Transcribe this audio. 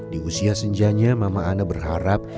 di usia senjanya mama ana berharap